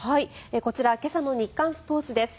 こちら今朝の日刊スポーツです。